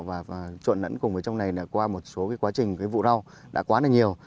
và trộn lẫn cùng với trong này là qua một số cái quá trình cái vụ đau đã quá là nhiều